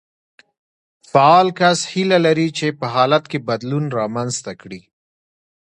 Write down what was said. فعال کس هيله لري چې په حالت کې بدلون رامنځته کړي.